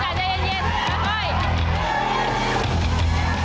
แม่กายใจเย็น